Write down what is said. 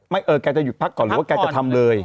เออแกจะหยุดพักก่อนหรือว่าแกจะทำเลย